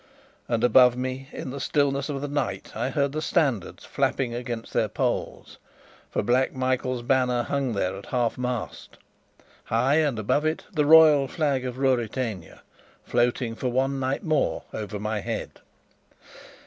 And above me, in the stillness of the night, I heard the standards flapping against their poles, for Black Michael's banner hung there half mast high, and above it the royal flag of Ruritania, floating for one night more over my head.